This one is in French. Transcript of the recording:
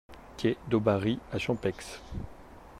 Quai d'Aubary à Champeix